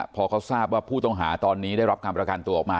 พอเขาทราบว่าผู้ต้องหาตอนนี้ได้รับการประกันตัวออกมา